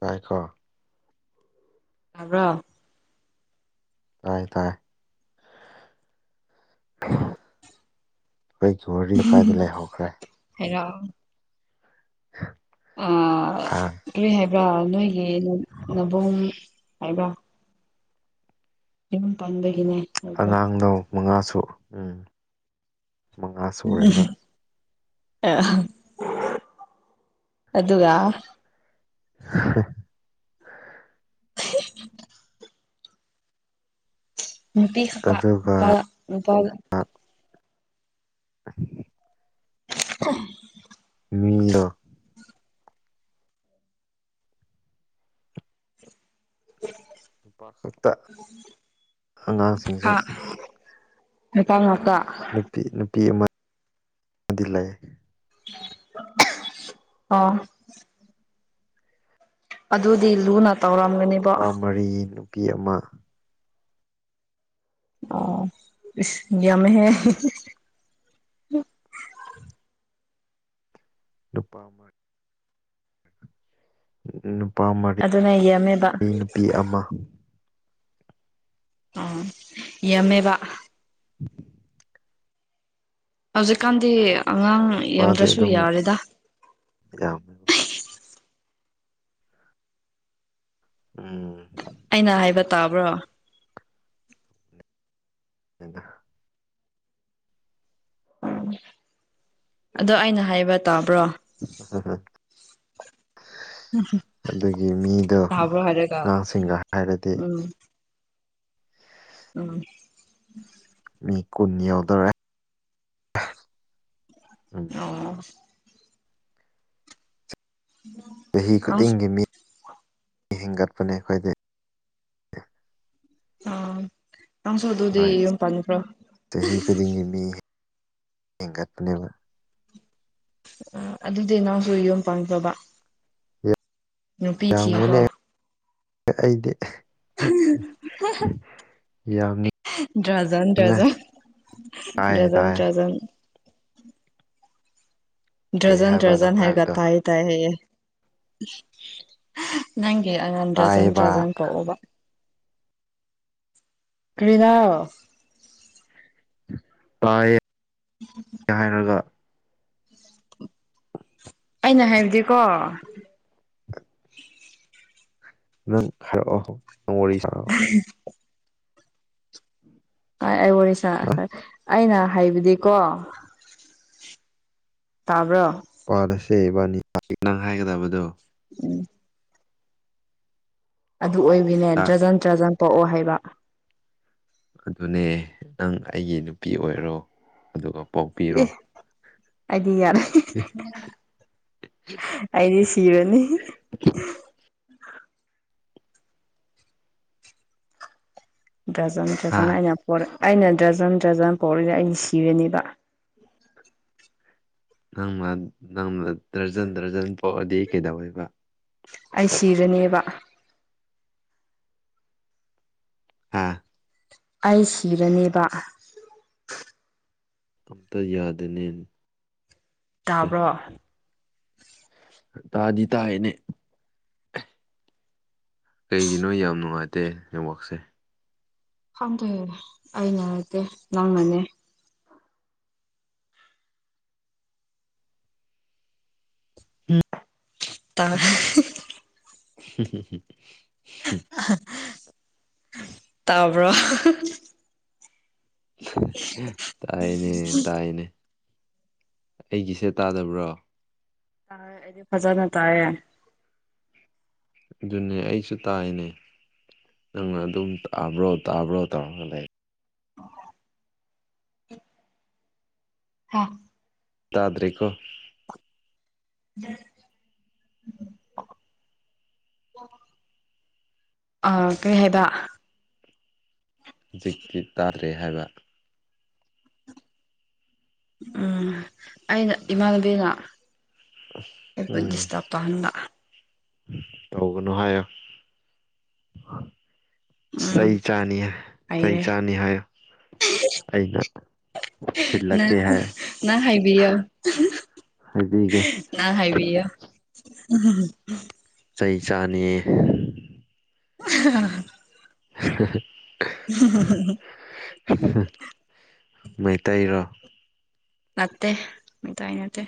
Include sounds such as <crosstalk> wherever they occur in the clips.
ꯇꯥꯏꯈꯣ ꯇꯕ꯭ꯔꯣ ꯇꯥꯏ ꯇꯥꯏ ꯑꯥ ꯑꯩꯈꯣꯏꯒꯤ ꯋꯥꯔꯤ ꯀꯥꯏꯗ ꯂꯩꯍꯧꯈ꯭ꯔꯦ ꯍꯔꯣ ꯑꯥ ꯀꯔꯤ ꯍꯥꯏꯕ꯭ꯔꯥ ꯅꯣꯏꯒꯤ ꯅꯕꯣꯡ ꯍꯥꯏꯕ꯭ꯔꯥ ꯌꯨꯝ ꯄꯥꯟꯕꯒꯤꯅꯦ ꯍꯥꯏꯕ꯭ꯔꯥ ꯑꯉꯥꯡꯗꯣ ꯃꯉꯥꯁꯨ ꯎꯝ ꯃꯉꯥ ꯁꯨꯔꯦꯕ <unintelligible> ꯑ ꯑꯗꯨꯒ <inaudible> <inaudible> <unintelligible> ꯅꯨꯄꯤ ꯍꯥꯛꯄ ꯅꯨꯄꯥ ꯑꯗꯨꯒ ꯅꯨꯄꯥ <inaudible> <unintelligible> ꯃꯤꯗꯣ <unintelligible> ꯅꯨꯄꯥ ꯈꯛꯇ ꯑꯉꯥꯡꯁꯤꯡꯁꯨ ꯍꯥ ꯅꯨꯄꯥ ꯉꯥꯛꯇ ꯅꯨꯄꯤ ꯅꯨꯄꯤ ꯑꯃ ꯑꯃꯗꯤ ꯂꯩ ꯑꯣ ꯑꯗꯗꯤ ꯂꯨꯅ ꯇꯧꯔꯝꯒꯅꯤꯕꯣ ꯅꯨꯄꯥ ꯃꯔꯤ ꯅꯨꯄꯤ ꯑꯃ ꯑꯣ ꯏꯁ ꯌꯥꯝꯃꯦꯍꯦ ꯅꯨꯄꯥ ꯑꯃ ꯅꯨꯄꯥ ꯃꯔꯤ ꯑꯗꯨꯅ ꯌꯥꯝꯃꯦꯕ ꯑꯩ ꯅꯨꯄꯤ ꯑꯃ ꯑꯣ ꯌꯥꯝꯃꯦꯕ <inaudible> ꯍꯧꯖꯤꯛꯀꯥꯟꯗꯤ ꯑꯉꯥꯡ ꯌꯥꯝꯗ꯭ꯔꯁꯨ ꯌꯥꯔꯦꯗ ꯌꯥꯝ ꯎꯝ ꯑꯩꯅ ꯍꯥꯏꯕ ꯇꯥꯕ꯭ꯔꯣ ꯑꯗ ꯎꯝ ꯑꯗꯣ ꯑꯩꯅ ꯍꯥꯏꯕ ꯇꯥꯕ꯭ꯔꯣ <unintelligible> ꯑꯗꯨꯒꯤ ꯃꯤꯗꯣ ꯇꯥꯕ꯭ꯔꯣ ꯍꯥꯏꯔꯒ ꯑꯉꯥꯡꯁꯤꯡꯒ ꯍꯥꯏꯔꯗꯤ ꯎꯝ ꯎꯝ ꯃꯤ ꯀꯨꯟ ꯌꯧꯗꯧꯔꯦ ꯎꯝ <unintelligible> ꯆꯍꯤ ꯅꯪꯁꯨ ꯈꯨꯗꯤꯡꯒꯤ ꯃꯤ ꯍꯦꯟꯒꯠꯄꯅꯦ ꯑꯩꯈꯣꯏꯗꯤ ꯑꯥ ꯅꯪꯁꯨ ꯑꯗꯨꯗꯤ ꯍꯣꯏ ꯌꯨꯝ ꯄꯟꯈ꯭ꯔꯣ ꯆꯍꯤ ꯈꯨꯗꯤꯡꯒꯤ ꯃꯤ ꯍꯦꯟꯒꯠꯄꯅꯦꯕ ꯑ ꯑꯗꯨꯗꯤ ꯅꯪꯁꯨ ꯌꯣꯟ ꯄꯥꯟꯈ꯭ꯔꯣꯕ ꯅꯨꯄꯤ ꯊꯤꯈ꯭ꯔꯣ ꯌꯥꯝꯒꯅꯤ ꯑꯩꯗꯤ ꯗ꯭ꯔꯖꯟ ꯌꯥꯝꯉ ꯗ꯭ꯔꯖꯟ ꯇꯥꯏꯌꯦ ꯗ꯭ꯔꯖꯟ ꯇꯥꯏꯌꯦ ꯗ꯭ꯔꯖꯟ ꯀꯔꯤ ꯗ꯭ꯔꯖꯟ ꯍꯥꯏꯕ ꯅꯪ ꯗ꯭ꯔꯖꯟ ꯍꯥꯏꯔꯒ ꯍꯥꯏꯕꯗꯣ ꯇꯥꯏ ꯇꯥꯏꯑꯦ ꯅꯪꯒꯤ ꯑꯉꯟ ꯗ꯭ꯔꯖꯟ ꯇꯥꯏꯌꯦꯕ ꯗ꯭ꯔꯖꯟ ꯄꯣꯛꯎꯕ ꯀꯔꯤꯔꯥ ꯇꯥꯏꯌꯦ ꯎꯝ ꯍꯥꯏꯔꯒ ꯑꯩꯅ ꯍꯥꯏꯕꯗꯤꯀꯣ ꯅꯪ ꯍꯥꯏꯔꯛꯑꯣ ꯅꯪ ꯋꯥꯔꯤ ꯁꯥꯔꯛꯑꯣ <unintelligible> ꯑꯩ ꯋꯥꯔꯤ ꯁꯥ ꯍꯥ ꯑꯩꯅ ꯍꯥꯏꯕꯗꯤꯀꯣ ꯇꯥꯕ꯭ꯔꯣ ꯄꯥꯂꯁꯦ ꯏꯕꯥꯅꯤ ꯅꯪ ꯍꯥꯏꯒꯗꯕꯗꯣ ꯎꯝ ꯑꯗꯨ ꯑꯣꯏꯕꯤꯅꯦ ꯇꯥꯛ ꯗ꯭ꯔꯖꯟ ꯗ꯭ꯔꯖꯟ ꯄꯣꯛꯑꯣ ꯍꯥꯏꯕ ꯑꯗꯨꯅꯦ ꯅꯪ ꯑꯩꯒꯤ ꯅꯨꯄꯤ ꯑꯣꯏꯔꯣ ꯑꯗꯨꯒ ꯄꯣꯛ ꯏ ꯑꯩꯗꯤ ꯌꯥꯔꯦ ꯑꯩꯗꯤ ꯁꯤꯔꯅꯤ <inaudible> ꯗ꯭ꯔꯖꯟ ꯗ꯭ꯔꯖꯟ ꯍꯥ ꯑꯩꯅ ꯄꯣꯔ ꯑꯩꯅ ꯗ꯭ꯔꯖꯟ ꯗ꯭ꯔꯖꯟ ꯄꯣꯛꯔꯗꯤ ꯑꯩꯗꯤ ꯁꯤꯔꯅꯤꯕ ꯅꯪꯅ ꯅꯪꯅ ꯗꯔꯖꯟ ꯗꯔꯖꯟ ꯄꯣꯛꯑꯗꯤ ꯀꯩꯗꯧꯋꯦꯕ ꯑꯩ ꯁꯤꯔꯅꯤꯕ ꯍꯥ ꯑꯩ ꯁꯤꯔꯅꯤꯕ ꯑꯝꯇ ꯌꯥꯗꯦꯅꯦ ꯇꯥꯕ꯭ꯔꯣ ꯇꯥꯗꯤ ꯇꯥꯏꯌꯦꯅꯦ ꯀꯩꯒꯤꯅꯣ ꯌꯥꯝ ꯅꯨꯡꯉꯥꯏꯇꯦ ꯅꯦꯠꯋꯥꯛꯁꯦ ꯈꯪꯗꯦ ꯑꯩꯩꯅ ꯅꯠꯇꯦ ꯅꯪꯅꯅꯦ ꯇꯥ <unintelligible> ꯇꯥꯕ꯭ꯔꯣ ꯇꯥꯏꯅꯦ ꯇꯥꯏꯅꯦ ꯑꯩꯒꯤꯁꯦ ꯇꯥꯗꯕ꯭ꯔꯣ ꯇꯥꯏ ꯑꯩꯗꯤ ꯐꯖꯅ ꯇꯥꯏꯌꯦ ꯑꯗꯨꯅꯦ ꯑꯩꯁꯨ ꯇꯥꯏꯅꯦ ꯅꯪ ꯑꯗꯨꯝ ꯇꯥꯕ꯭ꯔꯣ ꯇꯥꯕ꯭ꯔꯣ ꯇꯧꯔꯒ ꯂꯩꯔ ꯍꯥꯥ ꯇꯥꯗ꯭ꯔꯦꯀꯣ <inaudible> ꯑ ꯀꯩ ꯍꯥꯏꯕ ꯍꯧꯖꯤꯛꯇꯤ ꯇꯥꯗ꯭ꯔꯦ ꯍꯥꯏꯕ ꯎꯝ ꯑꯩꯅ ꯏꯃꯥꯟꯅꯕꯤꯅ ꯑꯩꯕꯨ ꯎꯝ ꯗꯤꯁꯇꯔꯕ ꯇꯥꯟꯅ ꯇꯧꯒꯅꯨ ꯍꯥꯏꯌꯣ ꯎꯝ ꯆꯩ ꯆꯥꯅꯤ ꯆꯩ ꯆꯥꯅꯤ ꯍꯥꯏꯌꯣ ꯑꯩꯅ ꯅ ꯊꯤꯜꯂꯛꯀꯦ ꯍꯥꯏ ꯅꯪ ꯍꯥꯏꯕꯤꯌꯣ ꯍꯥꯏꯕꯤꯒꯦ ꯅꯪ ꯍꯥꯏꯕꯤꯌꯣ ꯆꯩ ꯆꯥꯅꯤ <unintelligible> <unintelligible> ꯃꯩꯇꯩꯔꯣ ꯅꯠꯇꯦ ꯃꯩꯇꯩ ꯅꯠꯇꯦ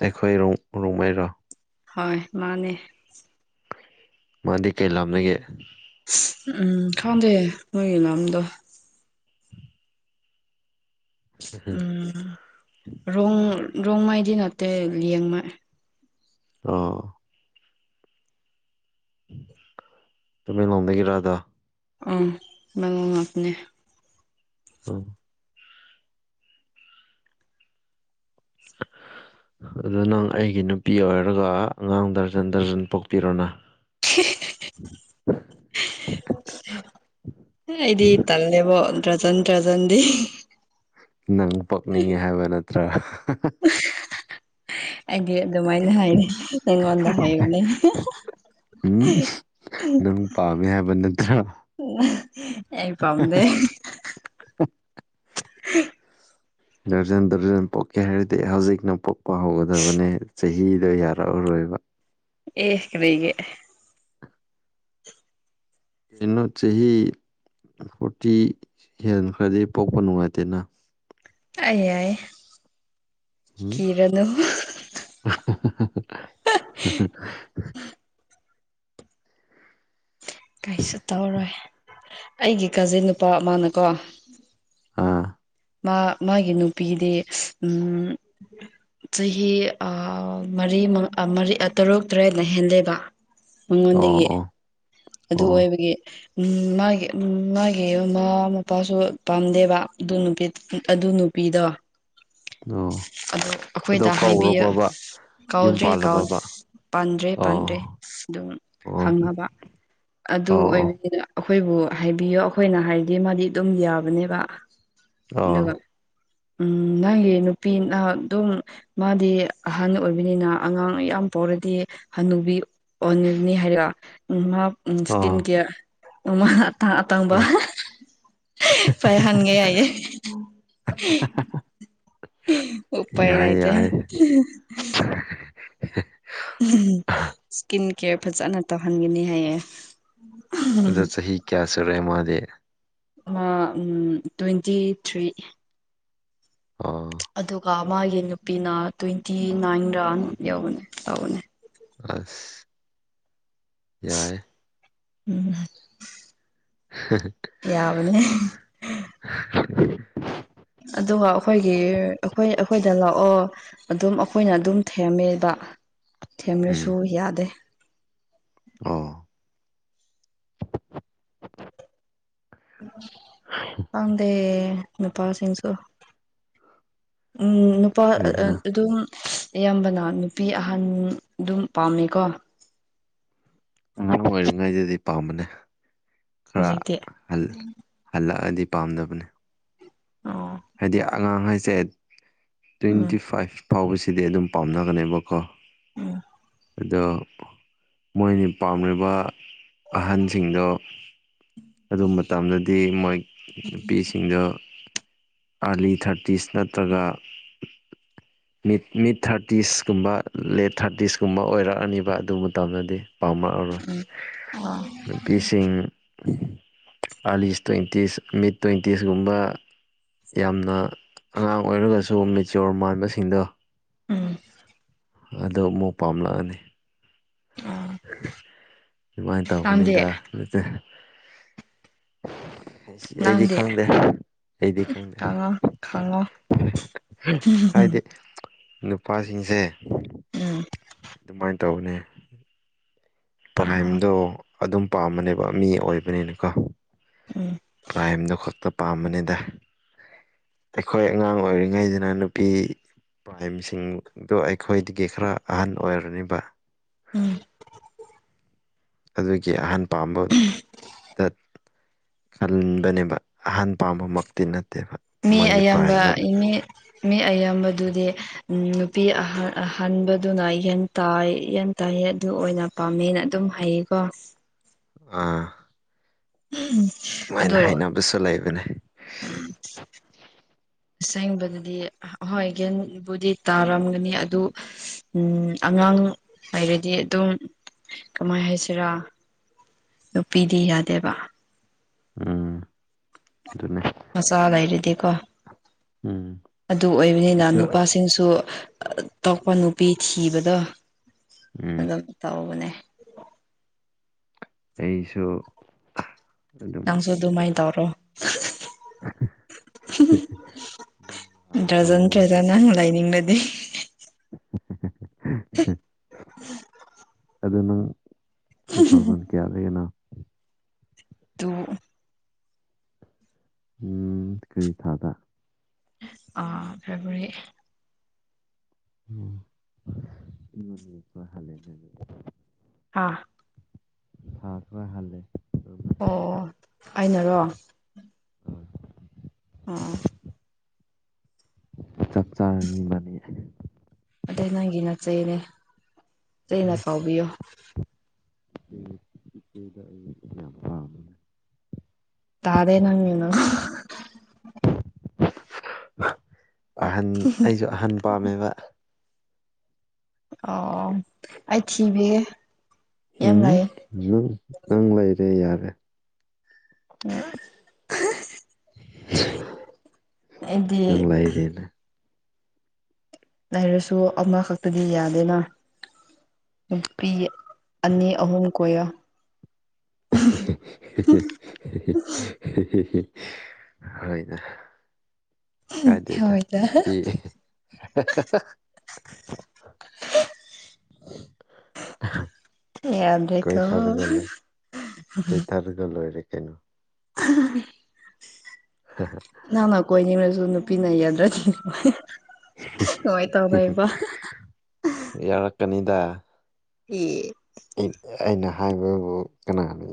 ꯑꯩꯈꯣꯏ ꯔꯣ ꯔꯣꯡꯃꯩꯔꯣ ꯍꯣꯏ ꯃꯥꯅꯦ ꯃꯥꯗꯤ ꯀꯩ ꯂꯝꯗꯒꯤ ꯎꯝ ꯈꯪꯗꯦ ꯅꯣꯏꯒꯤ ꯂꯝꯝꯗꯣ ꯎꯝ ꯔꯣꯡ ꯔꯣꯡꯃꯩꯗꯤ ꯅꯠꯇꯦ ꯂꯦꯡꯃꯥꯏ ꯑ ꯇꯃꯦꯡꯂꯣꯡꯗꯒꯤ ꯔꯥꯙꯥ ꯑꯥ ꯉꯕꯅꯦ ꯎꯝ ꯑꯗꯨ ꯅꯪ ꯑꯩꯒꯤ ꯅꯨꯄꯤ ꯑꯣꯏꯔꯒ ꯑꯉꯥꯡ ꯗꯔꯖꯟ ꯗꯔꯖꯟ ꯄꯣꯛꯄꯤꯔꯣꯅ <inaudible> ꯏꯗꯤ ꯇꯜ ꯂꯦꯕꯣ ꯗ꯭ꯔꯖ ꯗ꯭ꯔꯖꯗꯤ ꯅꯪ ꯄꯛꯅꯤꯡꯉꯤ ꯍꯥꯏꯕ ꯅꯠꯇ꯭ꯔꯥ ꯑꯩꯗꯤ ꯑꯗꯨꯃꯥꯏꯅ ꯍꯥꯏꯔꯦ ꯑꯩꯉꯣꯟꯗ ꯍꯥꯏꯕꯅꯦ ꯎꯝ ꯅꯪ ꯄꯥꯝꯃꯦ ꯍꯥꯏꯕ ꯅꯠꯇ꯭ꯔ ꯑꯩ ꯄꯝꯗ ꯍ ꯔꯖꯟ ꯇꯔꯖꯟ ꯄꯣꯛꯀꯦ ꯍꯥꯏꯔꯗꯤ ꯍꯧꯖꯤꯛꯅ ꯄꯣꯛꯄ ꯍꯧꯒꯗꯕꯅꯦ ꯆꯍꯤ ꯗꯣ ꯌꯥꯔꯛꯑꯔꯣꯏꯕ ꯑꯦ ꯀꯔꯤꯒ ꯀꯩꯅꯣ ꯆꯍꯤ ꯐꯣꯔꯇꯤ ꯍꯦꯟꯈ꯭ꯔꯗꯤ ꯄꯣꯛꯄ ꯅꯨꯡꯉꯥꯏꯇꯦꯅ ꯑꯏ ꯎꯝ ꯀꯤꯔꯅꯨ ꯑ ꯀꯩꯁꯨ ꯇꯧꯔꯣꯏ ꯑꯩꯒꯤ ꯀꯥꯖꯤꯟ ꯅꯨꯄꯥ ꯑꯃꯅꯀꯣ ꯑꯥ ꯃꯥ ꯃꯥꯒꯤ ꯅꯨꯄꯤꯗꯤ ꯆꯍꯤ ꯃꯔꯤ ꯇꯔꯨꯛ ꯇꯔꯦꯠꯅ ꯍꯦꯜꯂꯦꯕ ꯑꯣ ꯃꯉꯣꯟꯗꯒꯤ ꯑꯣ ꯑꯗꯨ ꯑꯣ ꯑꯣꯏꯕꯒꯤ ꯎꯝ ꯃꯥꯒꯤ ꯃꯥꯒꯤ ꯃꯃꯥ ꯃꯄꯥꯁꯨ ꯄꯥꯝꯗꯦꯕ ꯑꯗꯨ ꯅꯨꯄꯤ ꯑꯗꯨ ꯅꯨꯄꯤꯗꯣ ꯑꯣ ꯑꯣ ꯑꯗꯣ ꯑꯩꯈꯣꯏꯗ ꯍꯥꯏꯕꯤꯌꯨ ꯀꯧꯔꯕꯕ ꯌꯨꯝ ꯀꯥꯎꯗ꯭ꯔꯦ ꯄꯥꯜꯂꯕꯕ ꯄꯥꯟꯗ꯭ꯔꯦ ꯑꯣ ꯄꯥꯟꯗ꯭ꯔꯦ ꯑꯗꯨꯝ ꯑꯣ ꯈꯪꯅꯕ ꯑꯗꯨ ꯑꯣ ꯑꯣꯏꯕꯅꯤꯗ ꯑꯩꯈꯣꯏꯕꯨ ꯍꯥꯏꯕꯤꯌꯣ ꯑꯩꯈꯣꯏꯅ ꯍꯥꯏꯔꯗꯤ ꯃꯥꯗꯤ ꯑꯗꯨꯝ ꯌꯥꯕꯅꯦꯕ ꯑꯣ ꯑꯗꯨꯒ ꯎꯝ ꯅꯪꯒꯤ ꯅꯨꯄꯤꯤ ꯅ ꯑꯗꯨꯝ ꯃꯥꯗꯤ ꯑꯍꯟ ꯑꯣꯏꯕꯅꯤꯅ ꯑꯉꯥꯡ ꯌꯥꯝ ꯄꯥꯎꯔꯗꯤ ꯍꯟꯅꯨꯕꯤ ꯑꯣ ꯅꯤꯅꯤ ꯍꯥꯏꯔꯛꯑꯣ ꯎ ꯃꯥ ꯑꯣ ꯏꯁꯀꯤꯟ ꯀꯦꯌꯔ ꯑ ꯑꯇꯪꯕ ꯑꯣ ꯐꯩꯍꯟꯒꯦ ꯌꯥꯏꯌꯦꯦ ꯎꯥꯏ ꯌꯥꯏ ꯅꯇ ꯌꯥꯏ ꯏꯁꯀꯤꯟ ꯀꯦꯌꯔ ꯐꯖꯅ ꯇꯧꯍꯟꯒꯅꯤ ꯍꯥꯏꯌꯦ ꯑꯗꯨꯗ ꯆꯍꯤ ꯍ ꯀꯌꯥꯁꯨ ꯔꯦ ꯃꯥꯗꯦ ꯇ꯭ꯋꯦꯟꯇꯤ ꯊ꯭ꯔꯤ ꯑꯥ ꯑꯗꯨꯒ ꯃꯥꯒꯤ ꯅꯨꯄꯤꯅ ꯇ꯭ꯋꯦꯟꯇꯤ ꯅꯥꯏꯟ ꯔ ꯌꯧꯕꯅꯦ ꯇꯧꯕꯅꯦ ꯑꯁ ꯌꯥꯏ ꯎꯝ ꯍ ꯌꯥꯕꯅꯦ ꯑꯗꯨꯒ ꯑꯩꯈꯣꯏꯒꯤ ꯑꯩꯈꯣꯏ ꯑꯩꯈꯣꯏꯗ ꯂꯥꯛꯑꯣ ꯑꯗꯨꯝ ꯑꯩꯈꯣꯏꯅ ꯑꯗꯨꯝ ꯊꯦꯝꯃꯦꯕ ꯊꯦꯝꯂꯁꯨ ꯌꯥꯗꯦ ꯑꯥ ꯀꯗ ꯅꯨꯄꯥꯁꯤꯡꯁꯨꯣ ꯎꯝ ꯅꯨꯄꯥ ꯀꯔꯤꯅ ꯑꯗꯨꯝ ꯑꯌꯥꯝꯕꯅ ꯅꯨꯄꯤ ꯑꯍꯟ ꯑꯗꯨꯝ ꯄꯥꯝꯃꯦꯀꯣ ꯑꯥꯡ ꯑꯣꯏꯔꯤꯉꯩꯗꯗꯤ ꯄꯥꯝꯕꯅꯦ ꯈꯔ ꯍꯧꯖꯤꯛꯇꯤ ꯍꯂ ꯍꯜꯂꯛꯑꯗꯤ ꯄꯥꯝꯗꯕꯅꯤ ꯑꯣ ꯍꯥꯏꯗꯤ ꯑꯉꯥꯡ ꯍꯥꯏꯁꯦ ꯎꯝ ꯇ꯭ꯋꯦꯟꯇꯤ ꯐꯥꯏꯚ ꯐꯥꯎꯕꯁꯤꯗꯤ ꯑꯗꯨꯝ ꯄꯥꯝꯅꯒꯅꯦꯕꯀꯣ ꯑꯗꯣ ꯃꯣꯏꯅꯤ ꯄꯥꯝꯂꯤꯕ ꯑꯍꯟꯁꯤꯡꯗꯣ ꯑꯗꯨ ꯃꯇꯝꯗꯗꯤ ꯃꯣꯏ ꯅꯨꯄꯤꯁꯤꯡꯗꯣ ꯑꯥꯔꯂꯤ ꯊꯥꯔꯇꯤꯁ ꯅꯠꯇ꯭ꯔꯒ ꯃꯤꯠ ꯃꯤꯠ ꯊꯥꯔꯇꯤꯁꯀꯨꯝꯕ ꯂꯦꯠ ꯊꯥꯔꯇꯤꯁꯀꯨꯝꯕ ꯑꯣꯏꯔꯛꯑꯅꯤꯕ ꯑꯗꯨ ꯃꯇꯝꯗꯗꯤ ꯄꯥꯎꯃ ꯑꯣꯏꯔꯣꯏ ꯅꯨꯄꯤꯁꯤꯡ ꯑꯥꯔꯂꯤꯁ ꯇ꯭ꯋꯦꯟꯇꯤꯁ ꯃꯤꯠ ꯇ꯭ꯋꯦꯟꯇꯤꯁꯀꯨꯝꯕ ꯌꯥꯝꯅ ꯑꯉꯥꯡ ꯑꯣꯏꯔꯒꯁꯨ ꯃꯦꯆꯌꯣꯔ ꯃꯥꯟꯕꯁꯤꯡꯗꯣ ꯎꯝ ꯑꯗꯨ ꯑꯃꯨꯛ ꯄꯥꯝꯂꯛꯑꯅꯤ ꯁꯨꯃꯥꯏꯅ ꯅꯪꯗꯤ ꯇꯧꯕꯅꯤꯗ ꯑꯗꯨꯁ ꯁꯤ ꯑꯩꯗꯤ ꯅꯪꯗꯤ ꯈꯪꯗꯦ ꯑꯩꯗꯤ ꯈꯪꯗꯦ ꯈꯪꯉꯣ ꯈꯪꯉꯣ ꯍꯥꯏꯗꯤ ꯅꯨꯄꯥꯁꯤꯡꯁꯦ ꯎꯝ ꯑꯗꯨꯃꯥꯏꯅ ꯇꯧꯅꯤ ꯄ꯭ꯔꯥꯏꯝꯗꯣ ꯑꯗꯨꯝ ꯄꯥꯝꯕꯅꯦꯕ ꯃꯤ ꯑꯣꯏꯕꯅꯤꯅꯀꯣ ꯎꯝ ꯄ꯭ꯔꯥꯏꯝꯗꯣ ꯈꯛꯇ ꯄꯥꯝꯕꯅꯤꯗ ꯑꯩꯈꯣꯏ ꯑꯉꯥꯡ ꯑꯣꯏꯔꯤꯉꯩꯗꯅ ꯅꯨꯄꯤ ꯄ꯭ꯔꯥꯏꯝꯁꯤꯡꯗꯣ ꯑꯩꯈꯣꯏꯗꯒꯤ ꯈꯔ ꯑꯍꯟ ꯑꯣꯏꯔꯅꯦꯕ ꯎꯝ ꯑꯗꯨꯒꯤ ꯑꯍꯟ ꯄꯥꯝꯕꯗ ꯀꯟꯕꯅꯦꯕ ꯑꯍꯟ ꯄꯥꯝꯕꯃꯛꯇꯤ ꯅꯠꯇꯦꯕ ꯃꯤ ꯃꯣꯏꯒꯤ ꯑꯌꯥꯝꯕ ꯄ꯭ꯔꯥꯏꯝꯗꯣ ꯃꯤ ꯃꯤ ꯑꯌꯥꯝꯕꯗꯨꯗꯤ ꯅꯨꯄꯤ ꯑ ꯑꯍꯟꯥꯟꯕꯗꯨꯅꯟ ꯇ ꯌꯦꯟ ꯇꯥꯏꯌꯦ ꯑꯗꯨ ꯑꯣꯏꯅ ꯄꯥꯝꯃꯦꯅ ꯑꯗꯨꯝ ꯍꯩꯌꯦꯀꯣ ꯑꯥ ꯎꯝ ꯑꯗꯨꯃꯥꯏꯅ ꯍꯥꯏꯅꯕꯁꯨ ꯂꯩꯕꯅꯦ ꯑꯁꯦꯡꯕꯗꯗꯤ ꯑꯍꯣꯏ ꯒꯦꯟꯕꯨꯗꯤ ꯇꯥꯔꯝꯒꯅꯤ ꯑꯗꯨ ꯎ ꯑꯉꯥꯡ ꯍꯥꯏꯔꯗꯤ ꯑꯗꯨꯝ ꯀꯃꯥꯏ ꯍꯥꯏꯁꯤꯔꯥ ꯑꯗꯨꯣꯄꯤꯤꯗꯤ ꯌꯥꯗꯦꯕ ꯎꯝ ꯑꯗꯨꯅ ꯃꯁꯗ ꯍꯥꯏꯔꯗꯤꯀꯣ ꯎꯝ ꯑꯗꯨ ꯑꯣꯏꯕꯅꯤꯅ ꯑꯩꯁꯨ ꯅꯨꯄꯥꯁꯤꯡꯁꯨ ꯇꯄ ꯅꯨꯄꯤ ꯊꯤꯕꯗꯣ ꯎꯝ ꯑꯗꯨꯗꯣ ꯇꯣꯕꯅꯦ ꯑꯩꯁꯨ ꯑꯗꯨꯝ ꯅꯪꯁꯨ ꯑꯗꯨꯃꯥꯏ ꯀꯩꯅꯣ ꯇꯧꯔꯣ ꯅꯪꯕꯨ ꯍꯥꯟꯅ ꯗ꯭ꯔꯖꯟ ꯀꯧꯔꯒꯦꯕ ꯗ꯭ꯔꯖꯟꯪ ꯂꯩꯥꯏꯅꯤꯡꯕꯗꯤ ꯎ ꯎꯝ ꯑꯗꯨ ꯅꯪ ꯇꯨ ꯊꯥꯎꯖꯟ ꯀꯌꯥꯗꯒꯤꯅ ꯇ ꯎꯝ ꯀꯔꯤ ꯊꯥꯗ ꯑꯥ ꯐꯦꯕꯋꯥꯔꯤ ꯎꯝ ꯏꯃꯅꯤꯀ ꯍꯂꯦꯅ ꯑꯗꯨ ꯍꯥꯥ ꯁꯥ ꯈꯔ ꯍꯜꯂꯦ ꯑꯣ ꯑꯩꯅꯔꯣ ꯑꯥ ꯆꯞ ꯆꯥꯔꯅꯤ ꯏꯕꯥꯅꯤ ꯑꯗꯩ ꯅꯪꯒꯤ ꯅꯠꯆꯩꯅꯦ ꯆꯩꯅ ꯀꯥꯎꯕꯤꯌꯣ ꯎꯝ ꯏꯆꯦꯗ ꯑꯣꯏꯅ ꯇꯥꯔꯦ ꯅꯪ <unintelligible> ꯑꯍꯟ ꯑꯩꯖꯨ ꯑꯍꯟ ꯄꯥꯝꯃꯦꯕ ꯑꯣ ꯑꯩ ꯊꯤꯕꯤꯒꯦ ꯌꯥꯝ ꯎꯝ ꯂꯩ ꯊꯤꯕꯤꯔꯅꯨ ꯅꯪ ꯂꯩꯔꯦ ꯌꯥꯔꯦ ꯑꯩꯗꯤ ꯅꯪ ꯂꯥꯏꯔꯦꯅꯦ ꯂꯩꯔꯁꯨ ꯑꯃꯈꯛꯇꯗꯤ ꯌꯥꯗꯦꯅ ꯅꯨꯄꯤ ꯑꯅꯤ ꯑꯍꯨꯝ ꯀꯣꯏꯌꯣ ꯍꯣꯏꯗ ꯀꯥꯏꯗꯦꯗ ꯍꯣꯏꯗ ꯄꯤ <unintelligible> <unintelligible> ꯌꯥꯗ꯭ꯔꯦꯀꯣ ꯀꯣꯏꯊꯔꯥꯒ ꯂꯣꯏ ꯀꯣꯏꯊꯥꯔꯒ ꯂꯣꯏꯔꯦ ꯀꯩꯅꯣ <unintelligible> <unintelligible> ꯅꯪꯅ ꯀꯣꯏꯅꯤꯡꯂꯁꯨ ꯅꯨꯄꯤꯅ ꯌꯥꯗ꯭ꯔꯥꯗꯤ ꯌꯥꯔꯛꯀꯅꯤꯗꯥ ꯑꯦ ꯑꯩꯅ ꯍꯥꯏꯕꯕꯨ ꯀꯅꯥꯅ ꯌꯥ